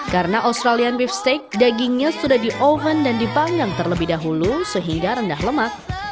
karena australian beef stick dagingnya sudah di oven dan dipanggang terlebih dahulu sehingga rendah lemak